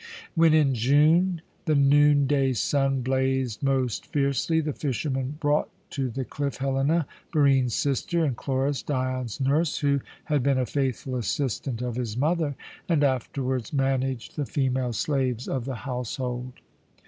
When, in June, the noonday sun blazed most fiercely, the fisherman brought to the cliff Helena, Barine's sister, and Chloris, Dion's nurse, who had been a faithful assistant of his mother, and afterwards managed the female slaves of the household.